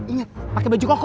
ingat pakai baju koko